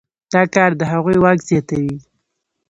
دا کار د هغوی واک زیاتوي.